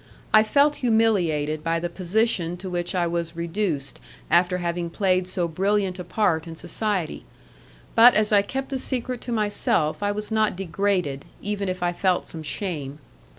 I felt humiliated by the position to which I was reduced after having played so brilliant a part in society; but as I kept the secret to myself I was not degraded, even if I felt some shame.